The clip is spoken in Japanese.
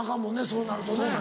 そうなるとね。